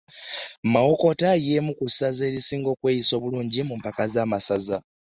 Mawokota y'emu ku masaza agasinze okweyisa obulungi mu mupiira gw'amasaza.